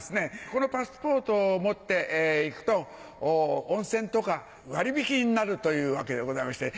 このパスポートを持って行くと温泉とか割引になるというわけでございまして。